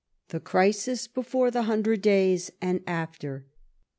THE CRISIS BEFOEE THE HUNDRED DAYS— AND AFTER.